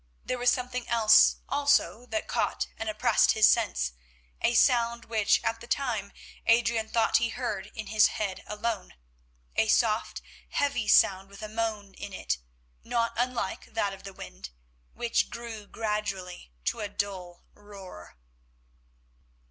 There was something else also that caught and oppressed his sense, a sound which at the time Adrian thought he heard in his head alone, a soft, heavy sound with a moan in it, not unlike that of the wind, which grew gradually to a dull roar.